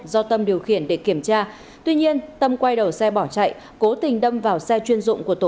có hành vi chống người thi hành công vụ vào đêm ngày